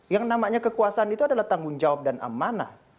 yang namanya kekuasaan itu adalah tanggung jawab dan amanah